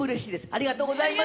ありがとうございます。